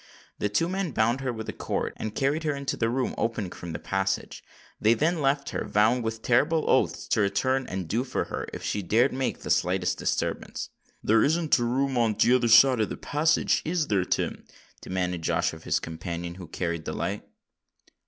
The two men bound her with a cord, and carried her into the room opening from the passage. They then left her, vowing with terrible oaths to return and "do for her," if she dared make the slightest disturbance. "There isn't a room on t'other side of the passage, is there, Tim?" demanded Josh of his companion, who carried the light.